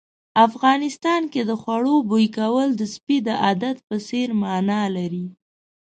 افغانستان کې د خوړو بوي کول د سپي د عادت په څېر مانا لري.